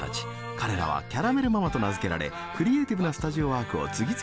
彼らはキャラメル・ママと名付けられクリエーティブなスタジオワークを次々とこなしていきます。